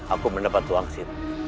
aku mendapat tuang sir